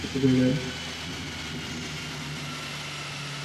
আফগান গোয়েন্দা সংস্থা বলছে, নানগরহারে চালানো ড্রোন হামলায় সাঈদ খান নিহত হন।